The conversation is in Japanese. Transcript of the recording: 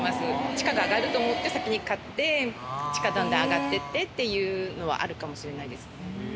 地価が上がると思って先に買って地価どんどん上がってってっていうのはあるかもしれない。